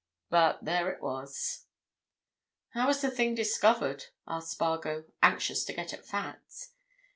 But there it was!" "How was the thing discovered?" asked Spargo, anxious to get at facts.